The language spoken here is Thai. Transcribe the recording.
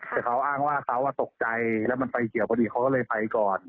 แต่เขาอ้างว่าเขาตกใจแล้วมันไฟเขียวพอดีเขาก็เลยไปก่อน